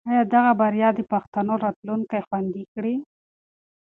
آیا دغه بریا به د پښتنو راتلونکی خوندي کړي؟